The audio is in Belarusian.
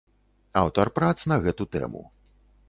Аўтар прац на гэту тэму.